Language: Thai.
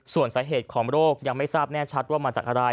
ส่วนสาเหตุของโรคยังไม่ทราบแน่ชัดว่ามาจากอะไร